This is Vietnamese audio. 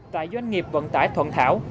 tại doanh nghiệp vận tải thuận thảo